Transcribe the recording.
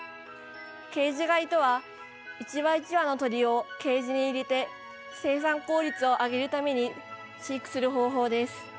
ケージ飼いとは一羽一羽の鶏をケージに入れて生産効率を上げるために飼育する方法です。